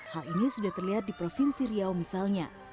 hal ini sudah terlihat di provinsi riau misalnya